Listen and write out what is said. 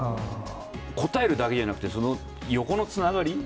答えるだけじゃなくて、その横のつながり？